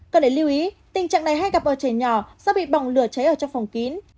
cần để lưu ý tình trạng này hay gặp ở trẻ nhỏ do bị bỏng lửa cháy ở trong phòng kín